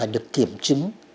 được kiểm chứng